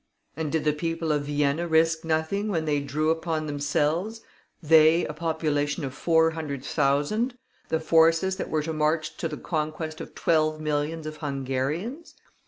And did the people of Vienna risk nothing when they drew upon themselves they, a population of four hundred thousand the forces that were to march to the conquest of twelve millions of Hungarians?